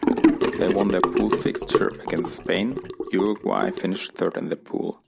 They won their pool fixture against Spain, Uruguay finished third in their pool.